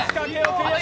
クリア！